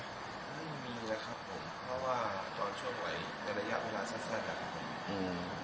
ไม่มีเลยครับผมเพราะว่าตอนช่วงไหวในระยะเวลาสั้นสั้นแหละครับอืม